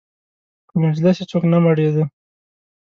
په مجلس یې څوک نه مړېده.